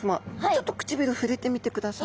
ちょっと唇触れてみてください。